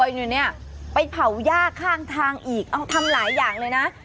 อยู่เนี้ยไปเผ๑๖๐๐ทางอีกเอาทำหลายอย่างเลยนะ